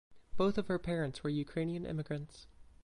Both of her parents were Ukrainian immigrants.